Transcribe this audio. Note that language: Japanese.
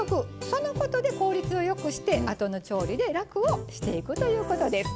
そのことで効率をよくしてあとの調理で楽をしていくということです。